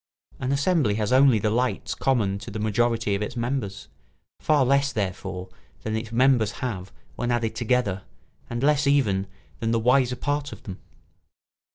An assembly has only the lights common to the majority of its members, far less, therefore, than its members have when added together and less even than the wiser part of them.